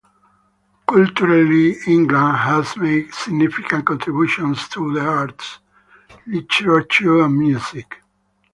Culturally, England has made significant contributions to the arts, literature, and music.